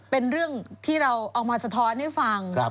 เป็นเรื่องที่เราเอามาสะท้อนให้ฟัง